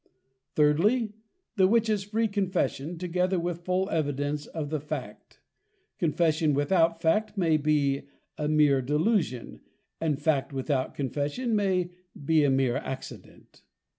Thirdly, The Witches free Confession, together with full Evidence of the Fact. Confession without Fact may be a meer Delusion, and Fact without Confession may be a meer Accident.